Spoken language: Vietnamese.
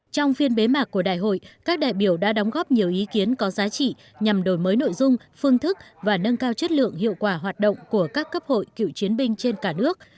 trong phiên bế mạc của đại hội các đại biểu đã đóng góp nhiều ý kiến có giá trị nhằm đổi mới nội dung phương thức và nâng cao chất lượng hiệu quả hoạt động của các cấp hội cựu chiến binh trên cả nước